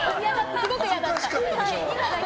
すごく嫌だった。